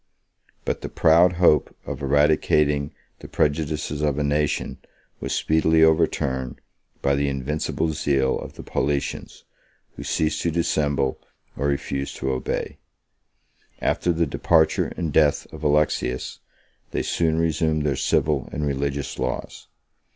25 But the proud hope of eradicating the prejudices of a nation was speedily overturned by the invincible zeal of the Paulicians, who ceased to dissemble or refused to obey. After the departure and death of Alexius, they soon resumed their civil and religious laws.